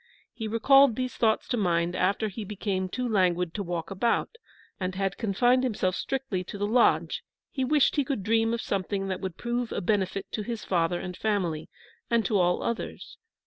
He recalled these thoughts to mind after he became too languid to walk about, and had confined himself strictly to the lodge; he wished he could dream of something that would prove a benefit to his father and family, and to all others.